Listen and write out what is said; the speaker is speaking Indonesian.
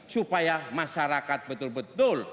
supaya masyarakat betul betul